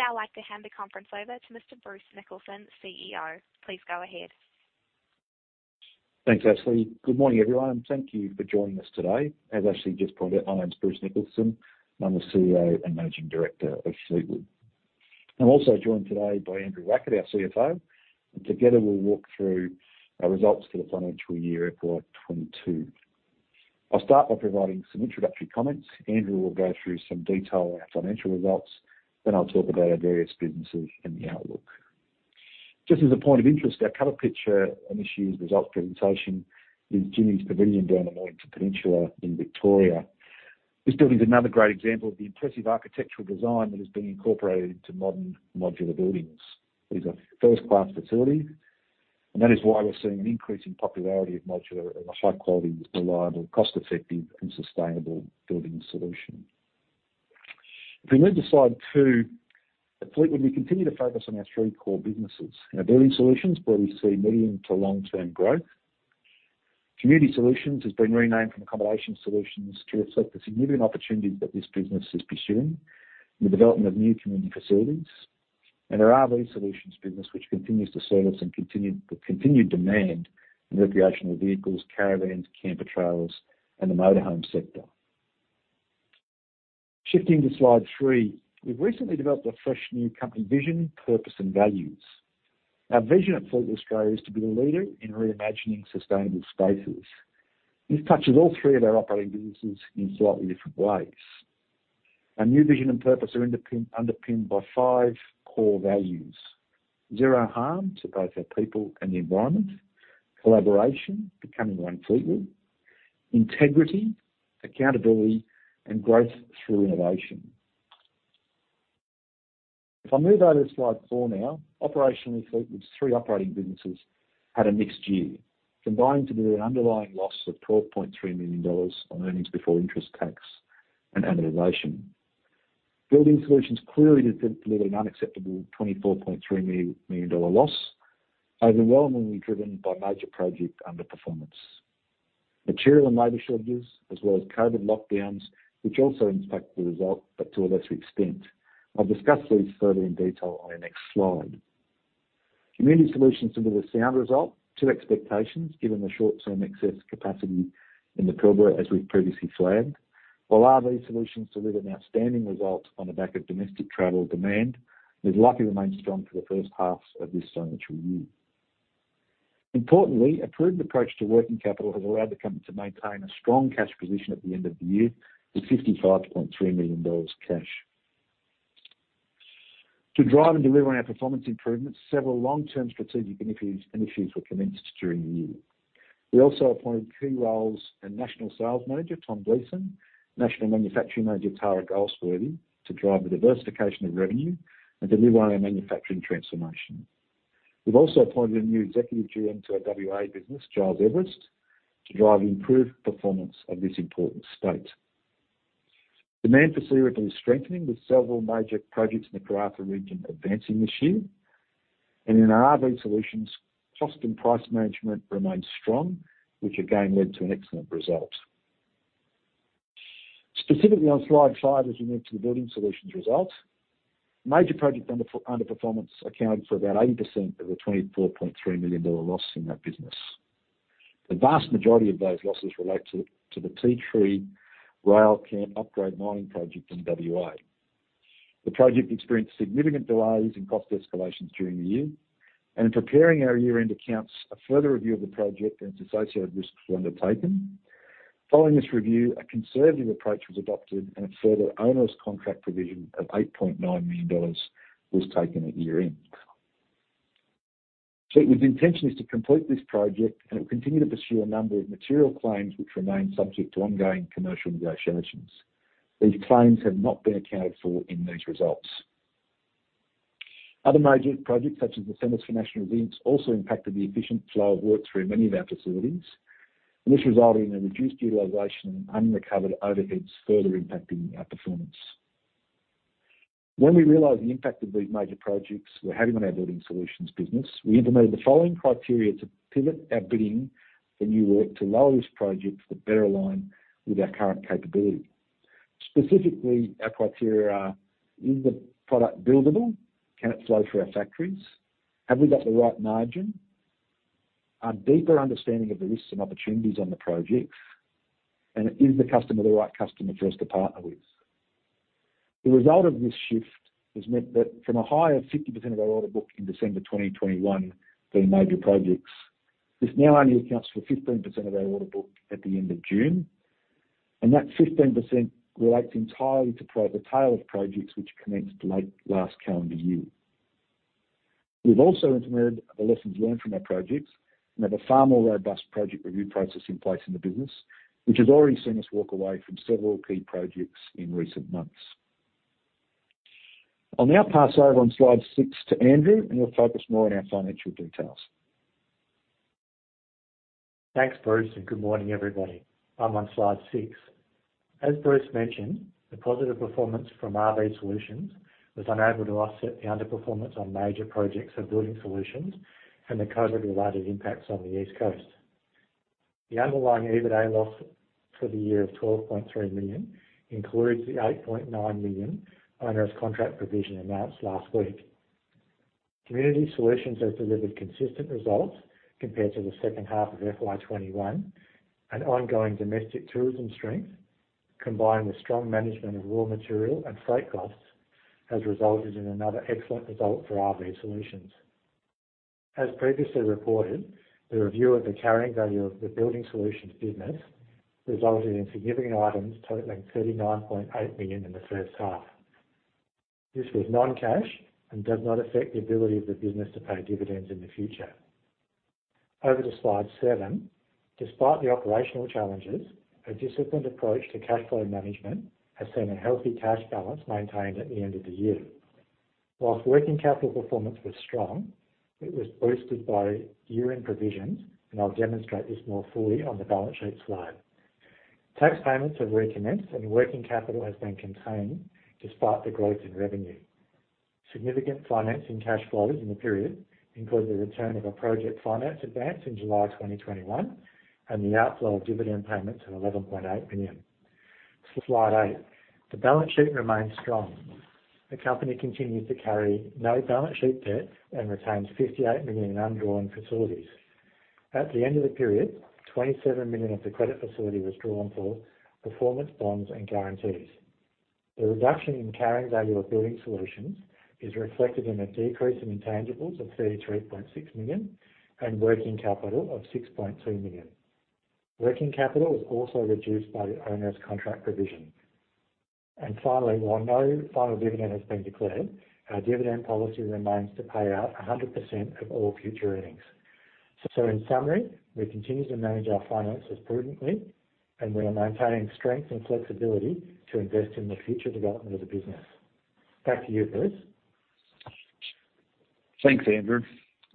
I would now like to hand the conference over to Mr. Bruce Nicholson, CEO. Please go ahead. Thanks, Ashley. Good morning, everyone, and thank you for joining us today. As Ashley just pointed out, my name is Bruce Nicholson. I'm the CEO and Managing Director of Fleetwood. I'm also joined today by Andrew Wackett, our CFO, and together we'll walk through our results for the financial year FY2022. I'll start by providing some introductory comments. Andrew will go through some detail on our financial results, then I'll talk about our various businesses and the outlook. Just as a point of interest, our cover picture on this year's results presentation is Jimmy's Pavilion down in Mornington Peninsula in Victoria. This building is another great example of the impressive architectural design that is being incorporated into modern modular buildings. It is a first-class facility, and that is why we're seeing an increase in popularity of modular as a high-quality, reliable, cost-effective, and sustainable building solution. If we move to slide two, at Fleetwood, we continue to focus on our three core businesses. Our Building Solutions, where we see medium to long-term growth. Community Solutions has been renamed from Accommodation Solutions to reflect the significant opportunities that this business is pursuing in the development of new community facilities. Our RV Solutions business which continues to service and continued demand in recreational vehicles, caravans, camper trailers, and the motor home sector. Shifting to slide three. We've recently developed a fresh new company vision, purpose, and values. Our vision at Fleetwood Australia is to be the leader in reimagining sustainable spaces. This touches all three of our operating businesses in slightly different ways. Our new vision and purpose are underpinned by five core values. Zero harm to both our people and the environment. Collaboration, becoming one Fleetwood. Integrity, accountability, and growth through innovation. If I move over to slide four now. Operationally, Fleetwood's three operating businesses had a mixed year, combining to deliver an underlying loss of 12.3 million dollars on earnings before interest, tax, and amortization. Building Solutions clearly delivered an unacceptable 24.3 million dollar loss, overwhelmingly driven by major project underperformance, material and labor shortages, as well as COVID lockdowns, which also impacted the result, but to a lesser extent. I'll discuss these further in detail on our next slide. Community Solutions delivered a sound result to expectations, given the short-term excess capacity in the Pilbara, as we've previously flagged. While RV Solutions delivered an outstanding result on the back of domestic travel demand, which luckily remained strong for the first half of this financial year. Importantly, a prudent approach to working capital has allowed the company to maintain a strong cash position at the end of the year with 55.3 million dollars cash. To drive and deliver on our performance improvements, several long-term strategic initiatives were commenced during the year. We also appointed key roles in National Sales Manager Tom Gleeson, National Manufacturing Manager Tara Goldsworthy, to drive the diversification of revenue and deliver on our manufacturing transformation. We've also appointed a new executive GM to our WA business, Giles Everest, to drive improved performance of this important state. Demand for Fleetwood is strengthening with several major projects in the Karratha region advancing this year. In our RV Solutions, cost and price management remains strong, which again led to an excellent result. Specifically on slide five, as we move to the Building Solutions results. Major project underperformance accounted for about 80% of the 24.3 million dollar loss in that business. The vast majority of those losses relate to the Ti Tree Rail Camp Upgrade mining project in WA. The project experienced significant delays and cost escalations during the year, and in preparing our year-end accounts, a further review of the project and associated risks were undertaken. Following this review, a conservative approach was adopted and a further onerous contract provision of 8.9 million dollars was taken at year-end. Fleetwood's intention is to complete this project, and it'll continue to pursue a number of material claims which remain subject to ongoing commercial negotiations. These claims have not been accounted for in these results. Other major projects, such as the Centers for National Resilience, also impacted the efficient flow of work through many of our facilities, and this resulted in a reduced utilization and unrecovered overheads, further impacting our performance. When we realized the impact of these major projects were having on our Building Solutions business, we implemented the following criteria to pivot our bidding for new work to low-risk projects that better align with our current capability. Specifically, our criteria are: Is the product buildable? Can it flow through our factories? Have we got the right margin? A deeper understanding of the risks and opportunities on the projects, and is the customer the right customer for us to partner with? The result of this shift has meant that from a high of 50% of our order book in December 2021 for major projects, this now only accounts for 15% of our order book at the end of June. That 15% relates entirely to the tail of projects which commenced late last calendar year. We've also implemented the lessons learned from our projects and have a far more robust project review process in place in the business, which has already seen us walk away from several key projects in recent months. I'll now pass over on slide six to Andrew, and he'll focus more on our financial details. Thanks, Bruce, and good morning, everybody. I'm on slide six. As Bruce mentioned, the positive performance from RV Solutions was unable to offset the underperformance on major projects for Building Solutions and the COVID-related impacts on the East Coast. The underlying EBITA loss for the year of 12.3 million includes the 8.9 million onerous contract provision announced last week. Community Solutions has delivered consistent results compared to the second half of FY2021 and ongoing domestic tourism strength, combined with strong management of raw material and freight costs, has resulted in another excellent result for RV Solutions. As previously reported, the review of the carrying value of the Building Solutions business resulted in significant items totaling 39.8 million in the first half. This was non-cash and does not affect the ability of the business to pay dividends in the future. Over to slide seven. Despite the operational challenges, a disciplined approach to cash flow management has seen a healthy cash balance maintained at the end of the year. While working capital performance was strong, it was boosted by year-end provisions, and I'll demonstrate this more fully on the balance sheet slide. Tax payments have recommenced and working capital has been contained despite the growth in revenue. Significant financing cash flows in the period include the return of a project finance advance in July 2021 and the outflow of dividend payments of 11.8 million. Slide eight. The balance sheet remains strong. The company continues to carry no balance sheet debt and retains 58 million undrawn facilities. At the end of the period, 27 million of the credit facility was drawn for performance bonds and guarantees. The reduction in carrying value of Building Solutions is reflected in a decrease in intangibles of 33.6 million and working capital of 6.2 million. Working capital was also reduced by the onerous contract provision. Finally, while no final dividend has been declared, our dividend policy remains to pay out 100% of all future earnings. In summary, we continue to manage our finances prudently and we are maintaining strength and flexibility to invest in the future development of the business. Back to you, Bruce. Thanks, Andrew.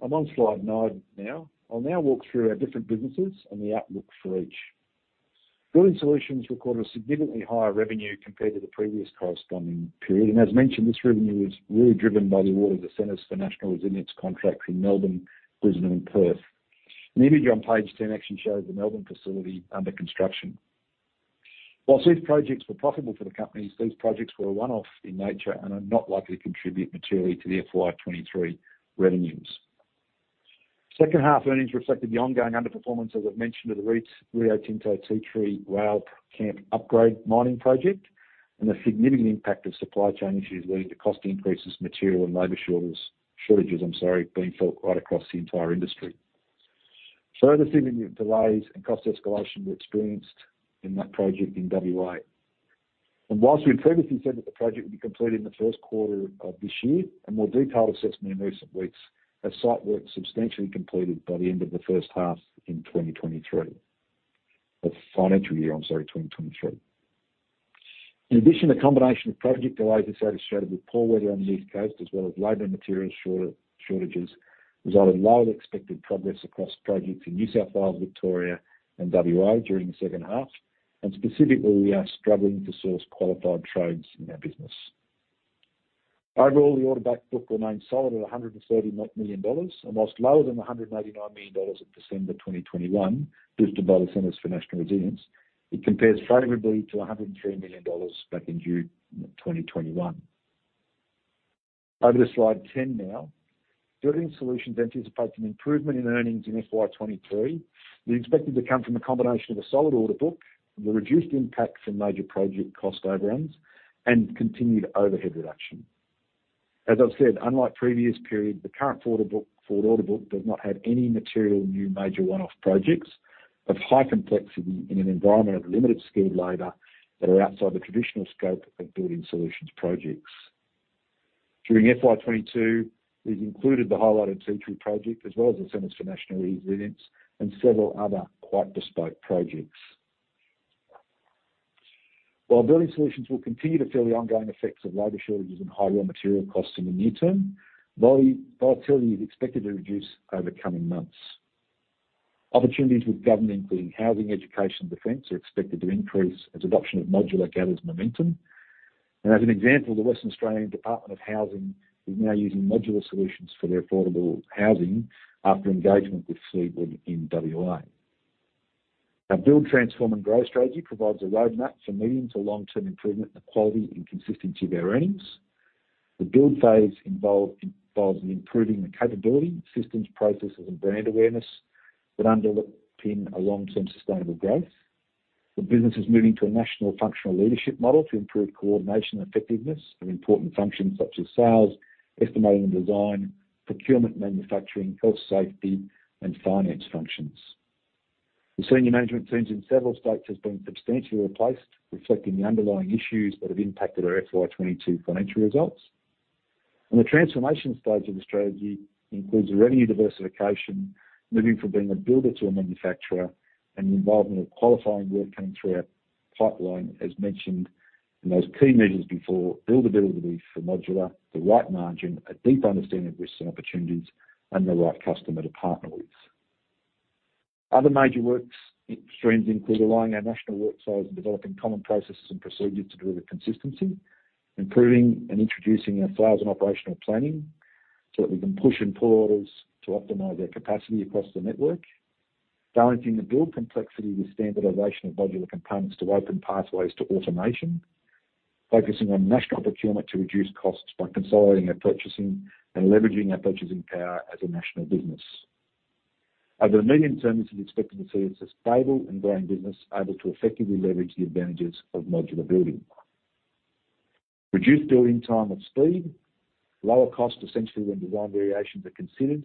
I'm on slide nine now. I'll now walk through our different businesses and the outlook for each. Building Solutions recorded a significantly higher revenue compared to the previous corresponding period. As mentioned, this revenue is really driven by the award of the Centres for National Resilience contract in Melbourne, Brisbane and Perth. The image on page 10 actually shows the Melbourne facility under construction. While these projects were profitable for the company, these projects were a one-off in nature and are not likely to contribute materially to the FY2023 revenues. Second half earnings reflected the ongoing underperformance, as I've mentioned, of the Rio Tinto Ti Tree Rail Camp Upgrade mining project and the significant impact of supply chain issues leading to cost increases, material and labor shortages, I'm sorry, being felt right across the entire industry. Further significant delays and cost escalation were experienced in that project in WA. While we had previously said that the project would be completed in the first quarter of this year, a more detailed assessment in recent weeks has site work substantially completed by the end of the first half in 2023. Our financial year, I'm sorry, 2023. In addition, a combination of project delays as I stated, with poor weather on the East Coast as well as labor and material shortages, resulted in lower than expected progress across projects in New South Wales, Victoria and WA during the second half. Specifically, we are struggling to source qualified trades in our business. Overall, the order backlog remains solid at 130 million dollars, and while lower than 189 million dollars at December 2021, boosted by the Centres for National Resilience, it compares favorably to 103 million dollars back in June 2021. Over to slide 10 now. Building Solutions anticipates an improvement in earnings in FY2023. We expect it to come from a combination of a solid order book, the reduced impact from major project cost overruns, and continued overhead reduction. As I've said, unlike previous periods, the current order book, forward order book does not have any material new major one-off projects of high complexity in an environment of limited skilled labor that are outside the traditional scope of Building Solutions projects. During FY2022, these included the highlighted Ti Tree project as well as the Centers for National Resilience and several other quite bespoke projects. While Building Solutions will continue to feel the ongoing effects of labor shortages and higher raw material costs in the near term, volatility is expected to reduce over coming months. Opportunities with government, including housing, education, defense, are expected to increase as adoption of modular gathers momentum. As an example, the Western Australian Department of Housing is now using modular solutions for their affordable housing after engagement with Fleetwood in WA. Our build, transform and grow strategy provides a roadmap for medium to long-term improvement in the quality and consistency of our earnings. The build phase involves improving the capability, systems, processes and brand awareness that underpin a long-term sustainable growth. The business is moving to a national functional leadership model to improve coordination effectiveness of important functions such as sales, estimating and design, procurement, manufacturing, health safety and finance functions. The senior management teams in several states has been substantially replaced, reflecting the underlying issues that have impacted our F20Y22 financial results. The transformation stage of the strategy includes revenue diversification, moving from being a builder to a manufacturer, and involving the qualifying work coming through our pipeline as mentioned in those key measures before, buildability for modular, the right margin, a deep understanding of risks and opportunities, and the right customer to partner with. Other major works streams include aligning our national work size and developing common processes and procedures to deliver consistency, improving and introducing our sales and operational planning. So that we can push employers to optimize their capacity across the network. Balancing the build complexity with standardization of modular components to open pathways to automation. Focusing on national procurement to reduce costs by consolidating our purchasing and leveraging our purchasing power as a national business. Over the medium term, this is expected to see it as a stable and growing business able to effectively leverage the advantages of modular building. Reduced building time and speed, lower cost, especially when design variations are considered,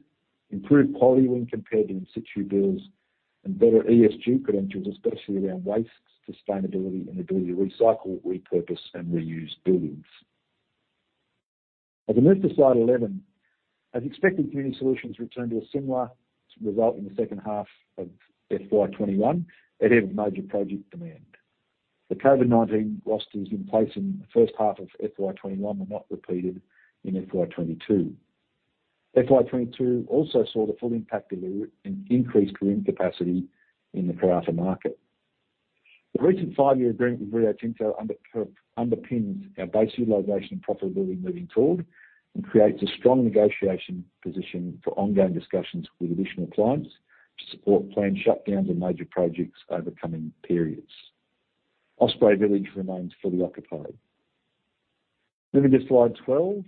improved quality when compared to in situ builds and better ESG credentials, especially around waste, sustainability and the ability to recycle, repurpose and reuse buildings. As we move to slide 11, as expected, Community Solutions returned to a similar result in the second half of FY2021 ahead of major project demand. The COVID-19 rosters in place in the first half of FY2021 were not repeated in FY2022. FY2022 also saw the full impact of the increase in room capacity in the Karratha market. The recent five-year agreement with Rio Tinto underpins our base utilization profitability moving forward and creates a strong negotiation position for ongoing discussions with additional clients to support planned shutdowns and major projects over coming periods. Osprey Village remains fully occupied. Moving to slide 12.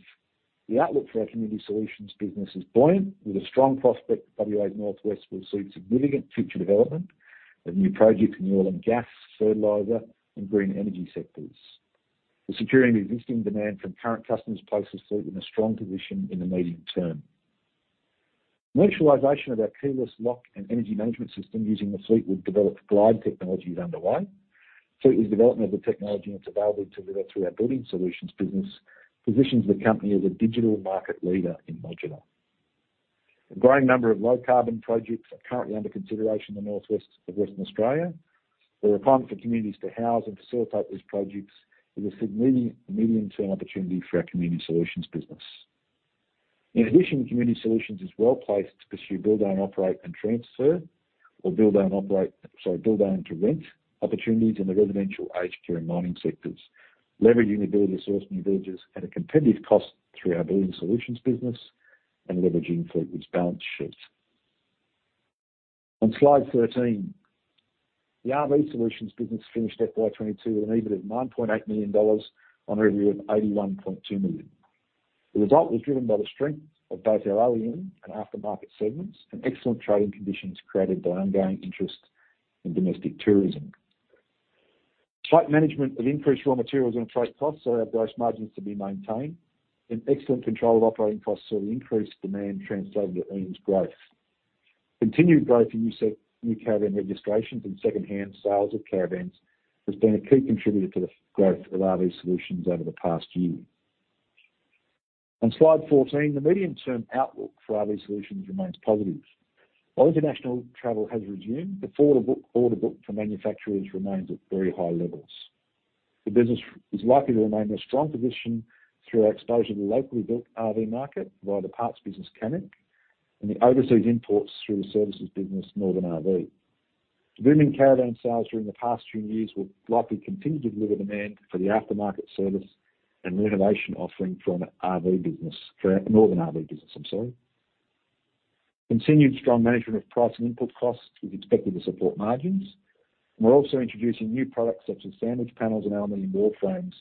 The outlook for our Community Solutions business is buoyant with a strong prospect that WA Northwest will see significant future development of new projects in the oil and gas, fertilizer, and green energy sectors. The security of existing demand from current customers places Fleet in a strong position in the medium term. Commercialization of our keyless lock and energy management system using the Fleetwood-developed Glyde technology is underway. Fleetwood is developing the technology, and it's available to deliver through our Building Solutions business, positions the company as a digital market leader in modular. A growing number of low carbon projects are currently under consideration in the northwest of Western Australia, where a climate for communities to house and facilitate these projects is a significant medium-term opportunity for our Community Solutions business. In addition, Community Solutions is well-placed to pursue, build, own, operate, and transfer or build, own, to rent opportunities in the residential aged care and mining sectors, leveraging the ability to source new villages at a competitive cost through our Building Solutions business and leveraging Fleetwood's balance sheet. On slide 13, the RV Solutions business finished FY2022 with an EBIT of 9.8 million dollars on a revenue of 81.2 million. The result was driven by the strength of both our OEM and aftermarket segments, and excellent trading conditions created by ongoing interest in domestic tourism. Tight management of increased raw materials and freight costs allowed gross margins to be maintained and excellent control of operating costs saw the increased demand translated to earnings growth. Continued growth in new caravan registrations and secondhand sales of caravans has been a key contributor to the growth of RV Solutions over the past year. On slide 14, the medium-term outlook for RV Solutions remains positive. While international travel has resumed, the forward order book for manufacturers remains at very high levels. The business is likely to remain in a strong position through our exposure to the locally built RV market via the parts business, Camec, and the overseas imports through the services business, Northern RV. Booming caravan sales during the past few years will likely continue to deliver demand for the aftermarket service and renovation offering from RV business. For our Northern RV business, I'm sorry. Continued strong management of price and input costs is expected to support margins, and we're also introducing new products such as sandwich panels and aluminum wall frames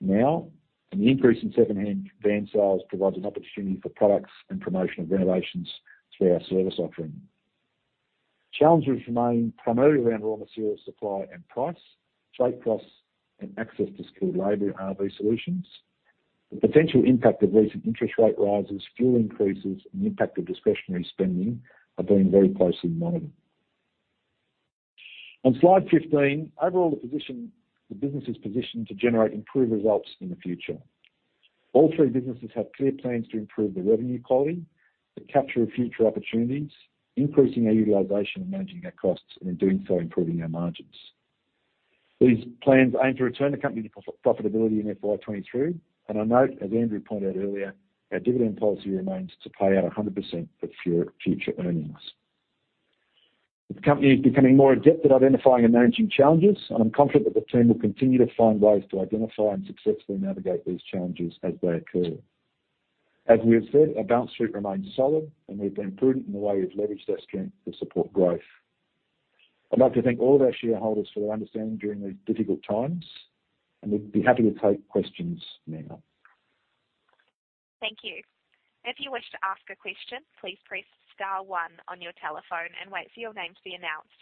now. The increase in secondhand van sales provides an opportunity for products and promotion of renovations through our service offering. Challenges remain primarily around raw material supply and price, freight costs, and access to skilled labor at RV Solutions. The potential impact of recent interest rate rises, fuel increases, and the impact of discretionary spending are being very closely monitored. On slide 15, overall, the business is positioned to generate improved results in the future. All three businesses have clear plans to improve their revenue quality, the capture of future opportunities, increasing our utilization, and managing our costs, and in doing so, improving our margins. These plans aim to return the company to profitability in FY2023. I note, as Andrew pointed out earlier, our dividend policy remains to pay out 100% of future earnings. The company is becoming more adept at identifying and managing challenges. I'm confident that the team will continue to find ways to identify and successfully navigate these challenges as they occur. As we have said, our balance sheet remains solid, and we've been prudent in the way we've leveraged our strength to support growth. I'd like to thank all of our shareholders for their understanding during these difficult times, and we'd be happy to take questions now. Thank you. If you wish to ask a question, please press star one on your telephone and wait for your name to be announced.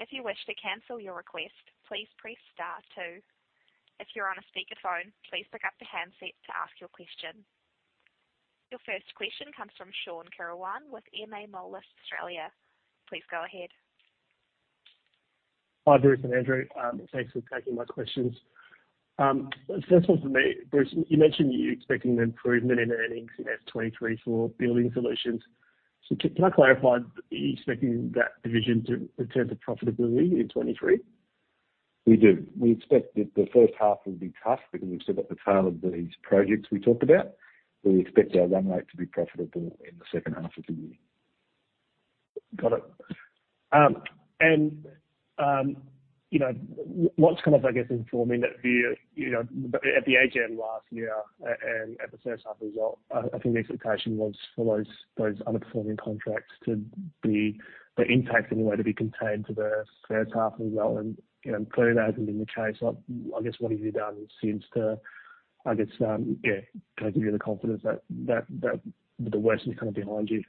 If you wish to cancel your request, please press star two. If you're on a speakerphone, please pick up the handset to ask your question. Your first question comes from Shaun Caruana with Moelis Australia. Please go ahead. Hi, Bruce and Andrew. Thanks for taking my questions. First one for me. Bruce, you mentioned you're expecting an improvement in earnings in FY2023 for Building Solutions. Can I clarify, are you expecting that division to return to profitability in 2023? We do. We expect the first half will be tough because we've still got the tail of these projects we talked about, but we expect our run rate to be profitable in the second half of the year. Got it. You know, what's kind of, I guess, informing that view, you know, at the AGM last year and at the first half result, I think the expectation was for those underperforming contracts to be the impact, in a way, to be contained to the first half as well. You know, clearly that hasn't been the case. Like, I guess what have you done since to, I guess, yeah, kind of give you the confidence that the worst is kind of behind you?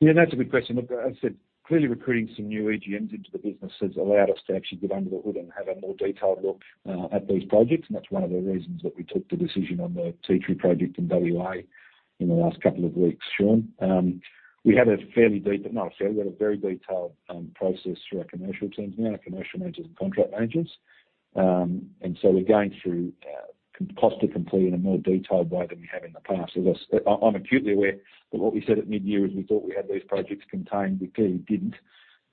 Yeah, that's a good question. Look, as I said, clearly recruiting some new EGMs into the business has allowed us to actually get under the hood and have a more detailed look at these projects, and that's one of the reasons that we took the decision on the Ti Tree project in WA in the last couple of weeks, Shaun Caruana. We have a very detailed process through our commercial teams now, our commercial managers and contract managers. We're going through cost to complete in a more detailed way than we have in the past. That's. I'm acutely aware that what we said at mid-year is we thought we had these projects contained. We clearly didn't,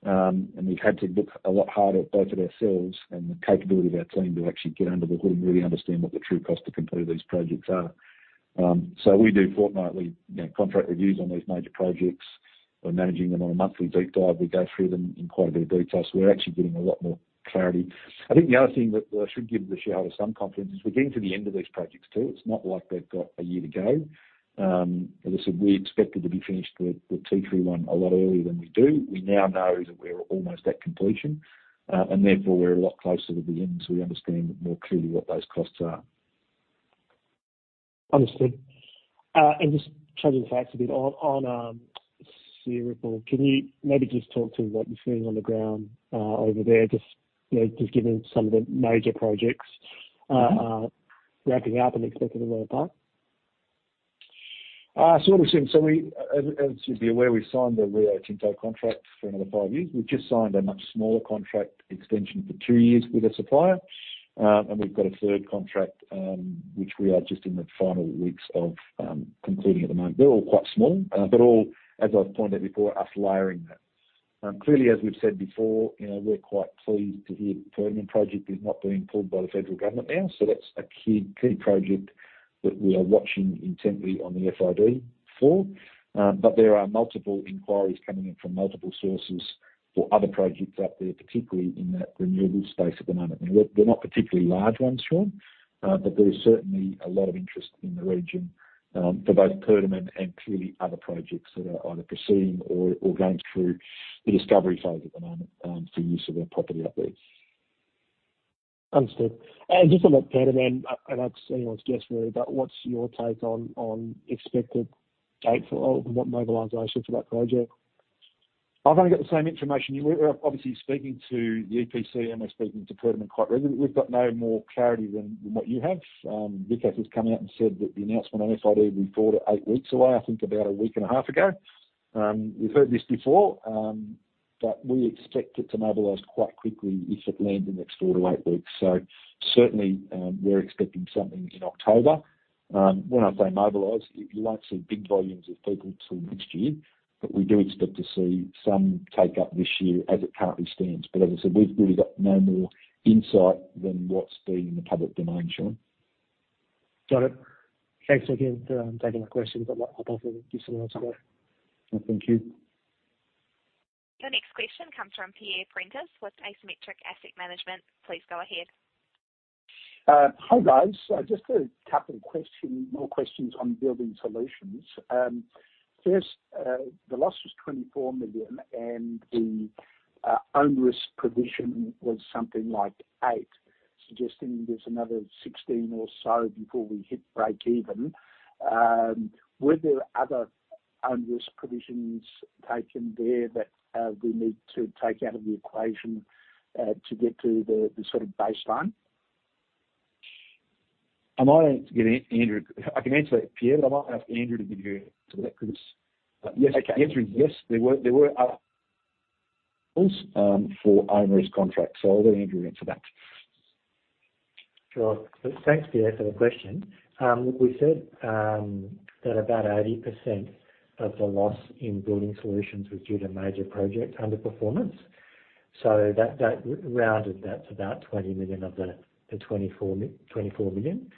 and we've had to look a lot harder both at ourselves and the capability of our team to actually get under the hood and really understand what the true cost to complete these projects are. We do fortnightly, you know, contract reviews on these major projects. We're managing them on a monthly deep dive. We go through them in quite a bit of detail, so we're actually getting a lot more clarity. I think the other thing that should give the shareholder some confidence is we're getting to the end of these projects too. It's not like they've got a year to go. As I said, we expected to be finished with Ti Tree One a lot earlier than we do. We now know that we're almost at completion, and therefore we're a lot closer to the end, so we understand more clearly what those costs are. Understood. Just changing tacks a bit. On Searipple Village, can you maybe just talk to what you're seeing on the ground over there, you know, just given some of the major projects wrapping up and expected roll back? What I've seen. We, as you'd be aware, we signed a Rio Tinto contract for another five years. We've just signed a much smaller contract extension for two years with a supplier, and we've got a third contract, which we are just in the final weeks of concluding at the moment. They're all quite small, but all, as I've pointed out before, us layering that. Clearly, as we've said before, you know, we're quite pleased to hear Perdaman project is not being pulled by the federal government now. That's a key project that we are watching intently on the FID for. There are multiple inquiries coming in from multiple sources for other projects out there, particularly in that renewables space at the moment. We're not particularly large ones, Shaun, but there is certainly a lot of interest in the region for both Perdaman and clearly other projects that are either proceeding or going through the discovery phase at the moment for use of our property out there. Understood. Just on that Perdaman, I know it's anyone's guess really, but what's your take on expected date for what mobilization for that project? I've only got the same information. We're obviously speaking to the EPC, and we're speaking to Perdaman quite regularly. We've got no more clarity than what you have. Vikas has come out and said that the announcement on FID will be four weeks-eight weeks away, I think about a week and a half ago. We've heard this before, but we expect it to mobilize quite quickly if it lands in the next four weeks-eight weeks. Certainly, we're expecting something in October. When I say mobilize, you won't see big volumes of people till next year, but we do expect to see some take up this year as it currently stands. As I said, we've really got no more insight than what's been in the public domain, Shaun. Got it. Thanks again for taking the question. We've got a lot more for you, so thanks a lot. No, thank you. Your next question comes from Pierre Prentice with Asymmetric Asset Management. Please go ahead. Hi, guys. Just a couple of more questions on Building Solutions. First, the loss was 24 million, and the onerous provision was something like 8 million, suggesting there's another 16 or so before we hit breakeven. Were there other onerous provisions taken there that we need to take out of the equation to get to the sort of baseline? I might need to get Andrew. I can answer that, Pierre, but I might have Andrew give that to you because Okay. Yes, the answer is yes. There were ownership contracts, so I'll let Andrew answer that. Sure. Thanks, Pierre, for the question. We said that about 80% of the loss in Building Solutions was due to major project underperformance. That rounded that to about 20 million of the 24 million.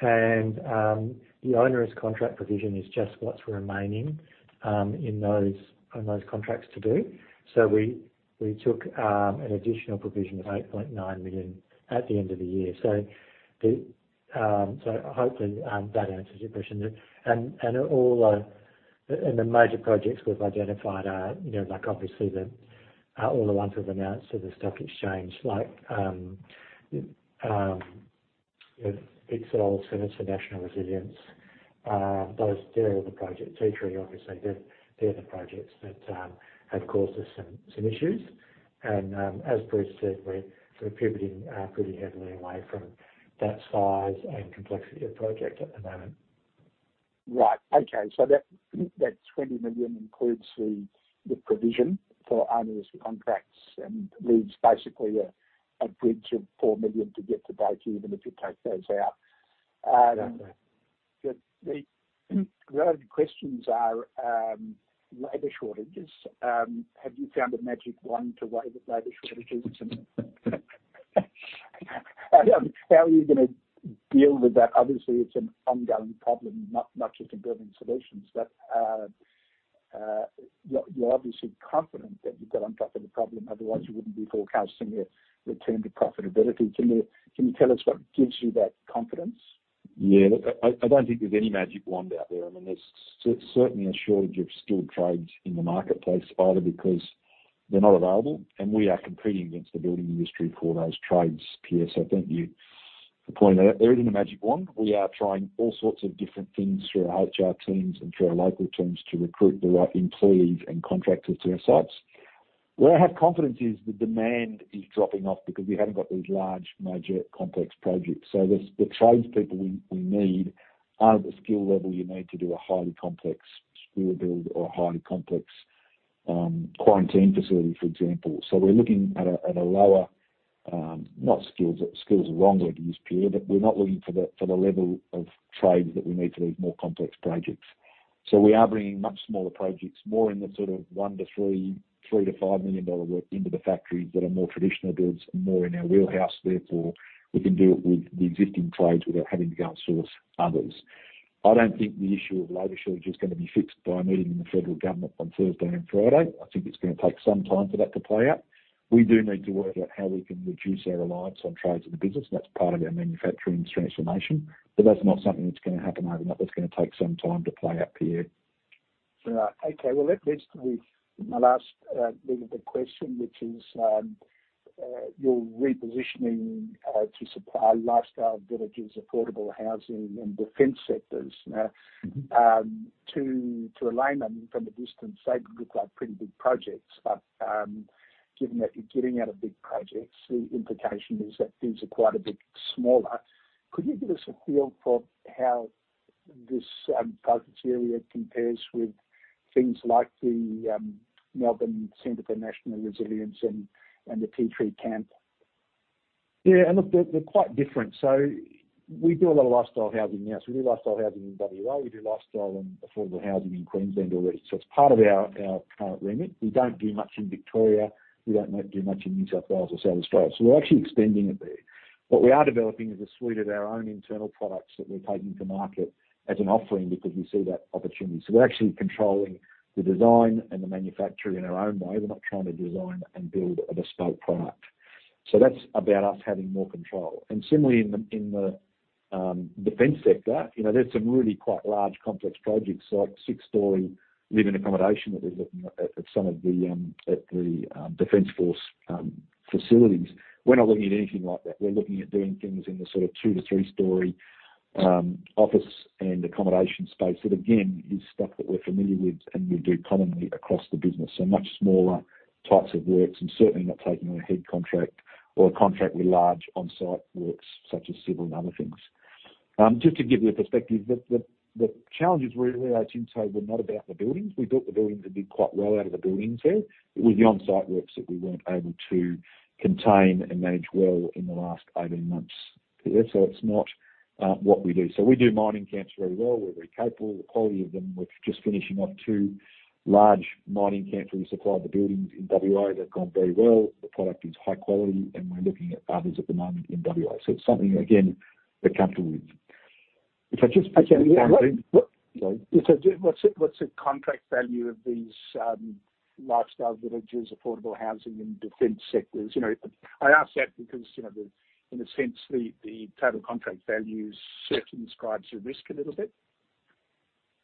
The onerous contract provision is just what's remaining in those contracts to do. We took an additional provision of 8.9 million at the end of the year. Hopefully that answers your question. All the major projects we've identified are, you know, like obviously all the ones we've announced to the stock exchange, like, you know, Pinkenba Centre for National Resilience, those. They're all the projects. Ti Tree, obviously. They're the projects that have caused us some issues. As Bruce said, we're sort of pivoting pretty heavily away from that size and complexity of project at the moment. Right. Okay. That 20 million includes the provision for onerous contracts and leaves basically a bridge of 4 million to get to breakeven if you take those out. Mm-hmm. The related questions are, labor shortages. Have you found a magic wand to wave at labor shortages and how are you gonna deal with that? Obviously, it's an ongoing problem, not just in Building Solutions, but you're obviously confident that you've got on top of the problem, otherwise you wouldn't be forecasting a return to profitability. Can you tell us what gives you that confidence? Yeah. Look, I don't think there's any magic wand out there. I mean, there's certainly a shortage of skilled trades in the marketplace, either because they're not available and we are competing against the building industry for those trades, Pierre. Thank you for pointing that out. There isn't a magic wand. We are trying all sorts of different things through our HR teams and through our local teams to recruit the right employees and contractors to our sites. Where I have confidence is the demand is dropping off because we haven't got these large major complex projects. The tradespeople we need aren't at the skill level you need to do a highly complex school build or a highly complex quarantine facility, for example. We're looking at a lower, not skilled. Skills is the wrong word to use, Pierre, but we're not looking for the level of trades that we need for these more complex projects. We are bringing much smaller projects, more in the sort of 1 million-3 million, 3 million-5 million dollar work into the factories that are more traditional builds and more in our wheelhouse. Therefore, we can do it with the existing trades without having to go and source others. I don't think the issue of labor shortage is gonna be fixed by a meeting with the federal government on Thursday and Friday. I think it's gonna take some time for that to play out. We do need to work out how we can reduce our reliance on trades in the business. That's part of our manufacturing transformation, but that's not something that's gonna happen overnight. That's gonna take some time to play out, Pierre. Right. Okay. Well, that leads to my last little bit of question, which is, you're repositioning to supply lifestyle villages, affordable housing and defense sectors now. To a layman from a distance, they look like pretty big projects, but given that you're getting out of big projects, the implication is that things are quite a bit smaller. Could you give us a feel for how this target area compares with things like the Melbourne Centre for National Resilience and the Ti Tree Rail Camp? Yeah. Look, they're quite different. We do a lot of lifestyle housing now. We do lifestyle housing in WA, we do lifestyle and affordable housing in Queensland already. It's part of our current remit. We don't do much in Victoria, we don't do much in New South Wales or South Australia, so we're actually extending it there. What we are developing is a suite of our own internal products that we're taking to market as an offering because we see that opportunity. We're actually controlling the design and the manufacturing our own way. We're not trying to design and build a bespoke product. That's about us having more control. Similarly in the defense sector, you know, there's some really quite large complex projects like six-story living accommodation that they're looking at some of the defense force facilities. We're not looking at anything like that. We're looking at doing things in the sort of two to three story office and accommodation space. That again, is stuff that we're familiar with and we do commonly across the business. Much smaller types of works and certainly not taking on a head contract or a contract with large on-site works such as civil and other things. Just to give you a perspective, the challenges we had in Ti Tree were not about the buildings. We built the buildings and did quite well out of the buildings there. It was the on-site works that we weren't able to contain and manage well in the last 18 months, Pierre. It's not what we do. We do mining camps very well. We're very capable. The quality of them. We're just finishing off two large mining camps where we supplied the buildings in WA. They've gone very well. The product is high quality and we're looking at others at the moment in WA. It's something again, we're comfortable with. If I just. Okay. Sorry. What's the contract value of these lifestyle villages, affordable housing and defense sectors? You know, I ask that because, you know, in a sense, the total contract value circumscribes your risk a little bit.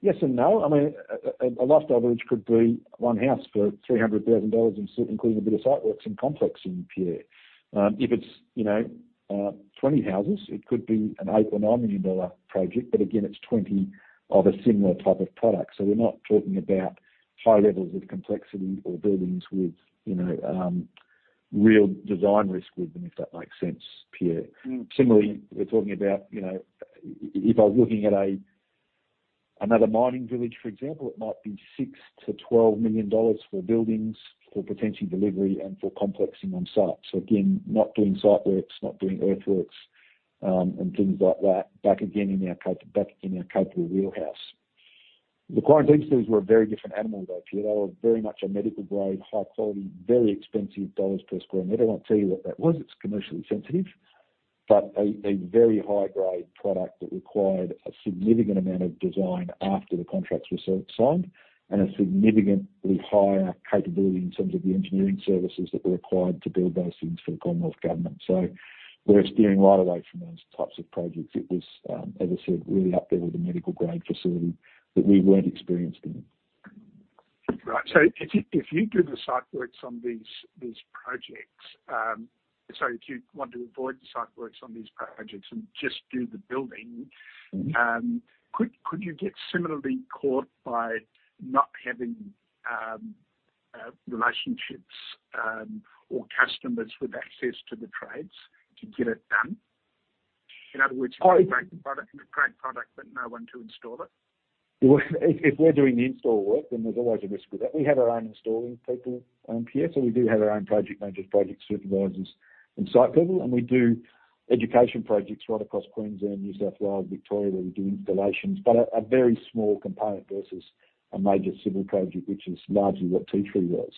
Yes and no. I mean, a lifestyle village could be one house for 300,000 dollars including a bit of site works and complexing, Pierre. If it's, you know, 20 houses, it could be an 8 million or 9 million dollar project, but again, it's 20 of a similar type of product. We're not talking about high levels of complexity or buildings with, you know, real design risk with them, if that makes sense, Pierre. Mm. Similarly, we're talking about, you know, if I was looking at another mining village, for example, it might be 6 million-12 million dollars for buildings, for potentially delivery and for complexing on site. Again, not doing site works, not doing earthworks, and things like that, back in our capable wheelhouse. The quarantine facilities were a very different animal, though, Pierre. They were very much a medical grade, high quality, very expensive AUD per square meter. I won't tell you what that was. It's commercially sensitive, but a very high grade product that required a significant amount of design after the contracts were signed and a significantly higher capability in terms of the engineering services that were required to build those things for the Commonwealth Government. We're steering right away from those types of projects. It was, as I said, really up there with a medical grade facility that we weren't experienced in. Right. If you want to avoid the site works on these projects and just do the building- Mm-hmm. Could you get similarly caught by not having relationships or customers with access to the trades to get it done? In other words. I- A great product, but no one to install it. Well, if we're doing the install work, then there's always a risk with that. We have our own installing people, Pierre. So we do have our own project managers, project supervisors and site people, and we do education projects right across Queensland, New South Wales, Victoria, where we do installations, but a very small component versus a major civil project, which is largely what Ti Tree was.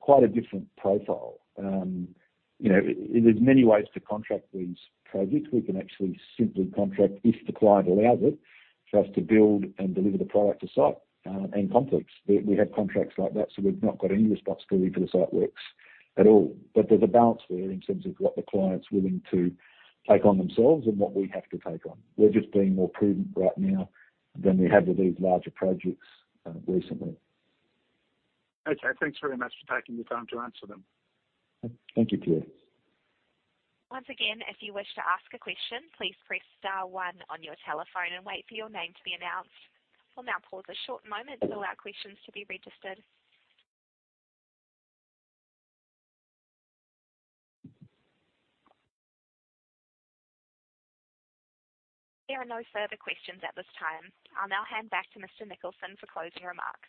Quite a different profile. You know, there's many ways to contract these projects. We can actually simply contract, if the client allows it, for us to build and deliver the product to site, and complex. We have contracts like that, so we've not got any risk whatsoever for the site works at all. there's a balance there in terms of what the client's willing to take on themselves and what we have to take on. We're just being more prudent right now than we have with these larger projects, recently. Okay. Thanks very much for taking the time to answer them. Thank you, Pierre. Once again, if you wish to ask a question, please press star one on your telephone and wait for your name to be announced. We'll now pause a short moment to allow questions to be registered. There are no further questions at this time. I'll now hand back to Mr. Nicholson for closing remarks.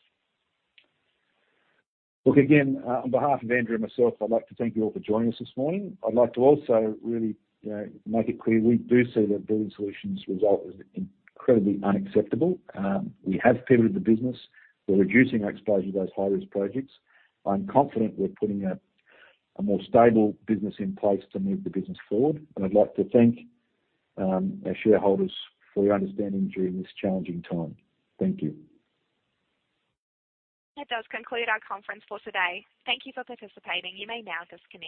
Look again, on behalf of Andrew and myself, I'd like to thank you all for joining us this morning. I'd like to also really, you know, make it clear we do see that Building Solutions result as incredibly unacceptable. We have pivoted the business. We're reducing our exposure to those high-risk projects. I'm confident we're putting a more stable business in place to move the business forward. I'd like to thank our shareholders for your understanding during this challenging time. Thank you. That does conclude our conference for today. Thank you for participating. You may now disconnect.